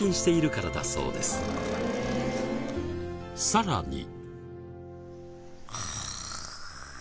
さらに。